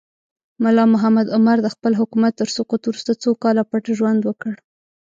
ملا محمد عمر د خپل حکومت تر سقوط وروسته څو کاله پټ ژوند وکړ.